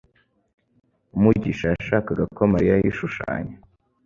mugisha yashakaga ko Mariya yishushanya